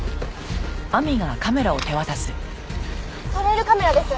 トレイルカメラです。